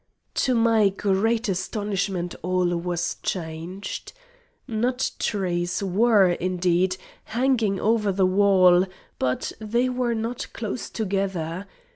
To my great astonishment all was changed. Nut trees were, indeed, hanging over the wall, but they were not close together.